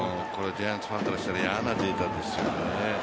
ジャイアンツファンからしたら嫌なデータですよね。